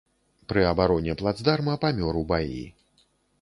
Пры абароне плацдарма памёр у баі.